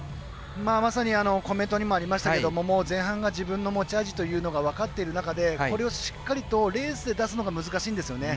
まさにコメントにもありましたけど前半が自分の持ち味というのが分かっている中でこれをしっかりとレースで出すのが難しいんですよね。